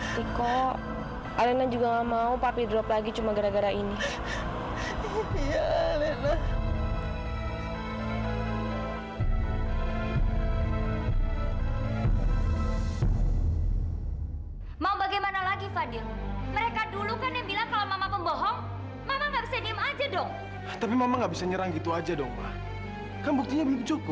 sampai jumpa di video selanjutnya